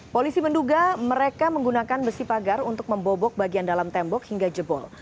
polisi menduga mereka menggunakan besi pagar untuk membobok bagian dalam tembok hingga jebol